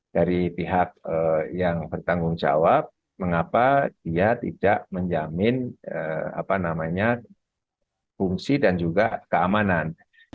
dari pihak yang bertanggung jawab mengapa dia tidak menjamin fungsi dan juga keamanan